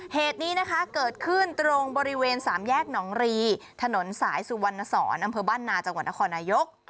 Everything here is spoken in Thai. เหตุนี้นะคะเกิดขึ้นตรงบริเวณสามแยกหนองรีถนนสายสุวรรณสอนอำเภอบ้านนาจังหวัดนครนายก